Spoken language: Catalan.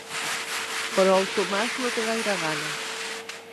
Però el Tomàs no té gaire gana.